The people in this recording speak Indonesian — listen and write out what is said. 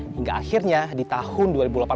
hingga akhirnya di tahun dua ribu delapan belas